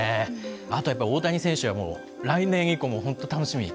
あとやっぱり大谷選手は、来年以降も本当、楽しみ。